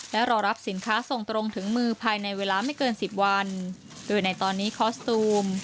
และรอรับสินค้าส่งตรงถึงมือภายในเวลาไม่เกินสิบวันโดยในตอนนี้คอสตูม